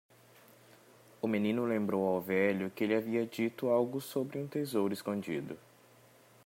O menino lembrou ao velho que ele havia dito algo sobre um tesouro escondido.